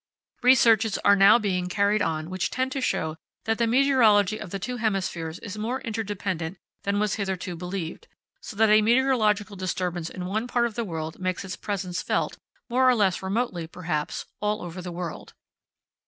Researches are now being carried on which tend to show that the meteorology of the two hemispheres is more interdependent than was hitherto believed, so that a meteorological disturbance in one part of the world makes its presence felt, more or less remotely perhaps, all over the world.